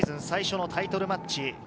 最初のタイトルマッチ。